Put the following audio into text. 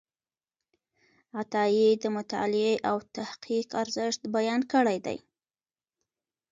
عطایي د مطالعې او تحقیق ارزښت بیان کړی دی.